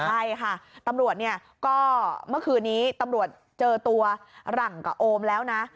ใช่ค่ะตำรวจเนี่ยก็เมื่อคืนนี้ตำรวจเจอตัวหลังกับโอมแล้วนะ